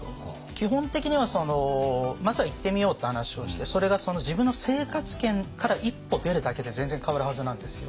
基本的にはまずは行ってみようって話をしてそれが自分の生活圏から一歩出るだけで全然変わるはずなんですよ。